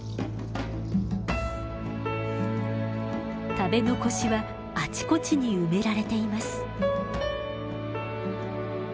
食べ残しはあちこちに埋められています。